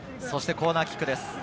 そしてコーナーキックです。